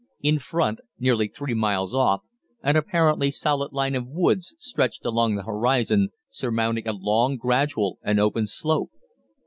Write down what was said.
In front, nearly three miles off, an apparently solid line of woods stretched along the horizon, surmounting a long, gradual and open slope.